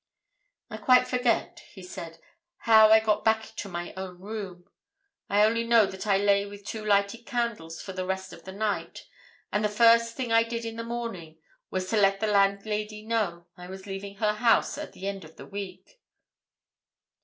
"I quite forget," he said, "how I got back to my own room. I only know that I lay with two lighted candles for the rest of the night, and the first thing I did in the morning was to let the landlady know I was leaving her house at the end of the week.